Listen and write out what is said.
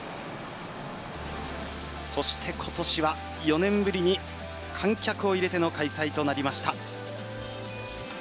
そして、今年は４年ぶりに観客を入れての開催となりました。